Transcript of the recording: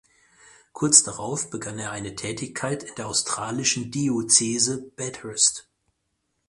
Kurz darauf begann er eine Tätigkeit in der australischen Diözese Bathurst.